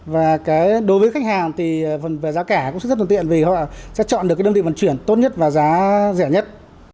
và đối với khách hàng thì về giá cả cũng rất thuận tiện vì họ sẽ chọn được cái đơn vị vận chuyển tốt nhất và giá rẻ nhất